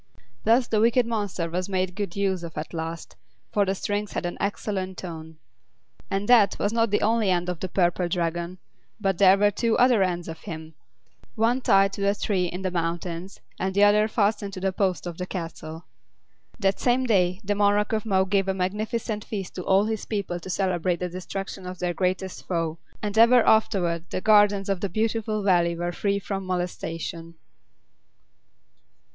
Thus the wicked monster was made good use of at last, for the strings had an excellent tone. And that was not only the end of the Purple Dragon, but there were two other ends of him; one tied to a tree in the mountains and the other fastened to a post of the castle. That same day the Monarch of Mo gave a magnificent feast to all his people to celebrate the destruction of their greatest foe; and ever afterward the gardens of the Beautiful Valley were free from molestation.